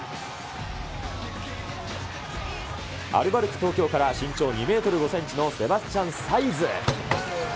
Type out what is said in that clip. アルバルク東京から、身長２メートル５センチのセバスチャン・サイズ。